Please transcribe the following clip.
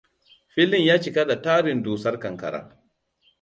Filin ya cika da tarin dusar ƙanƙara.